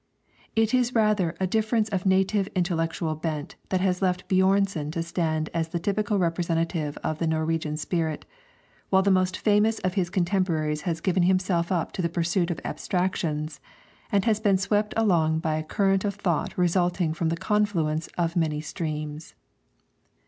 It is rather a difference of native intellectual bent that has left Björnson to stand as the typical representative of the Norwegian spirit, while the most famous of his contemporaries has given himself up to the pursuit of abstractions, and has been swept along by a current of thought resulting from the confluence of many streams.